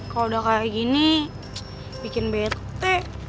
kalau udah kayak gini bikin betek